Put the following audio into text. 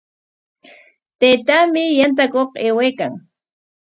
Taytaami yantakuq aywaykan.